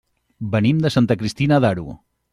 Venim de Santa Cristina d'Aro.